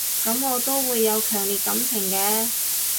噉我都會有強烈感情嘅